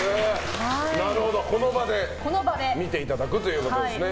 この場で診ていただくということですね。